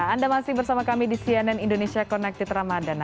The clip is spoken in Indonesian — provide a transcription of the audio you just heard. anda masih bersama kami di cnn indonesia connected ramadhan